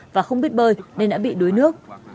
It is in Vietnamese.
và không biết bơi nên đã bị đuối nước